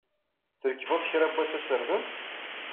Trekbeḍ kra n wass aserdun?